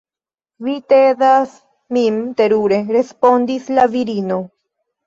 Vi tedas min terure, respondis la virino.